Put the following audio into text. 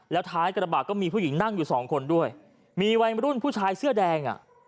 แล้วท้ายกระบะก็มีผู้หญิงนั่งอยู่สองคนด้วยมีวัยรุ่นผู้ชายเสื้อแดงอ่ะ